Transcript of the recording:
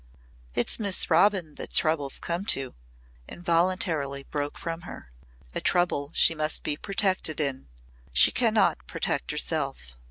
"It's Miss Robin that trouble's come to," involuntarily broke from her. "A trouble she must be protected in. She cannot protect herself."